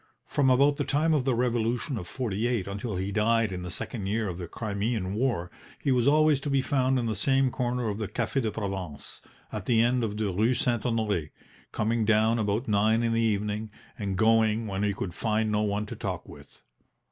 From about the time of the Revolution of '48 until he died in the second year of the Crimean War he was always to be found in the same corner of the Cafe de Provence, at the end of the Rue St. Honore, coming down about nine in the evening, and going when he could find no one to talk with.